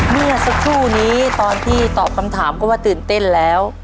เมื่อสักครู่นี้ตอนที่ตอบคำถามก็ว่าตื่นเต้นแล้ว